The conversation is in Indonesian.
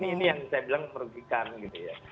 ini yang saya bilang merugikan gitu ya